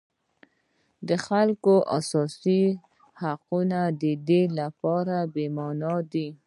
د خلکو اساسي حقونه د دوی لپاره بېمعنا دي.